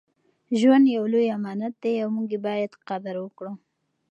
ژوند یو لوی امانت دی او موږ یې باید قدر وکړو.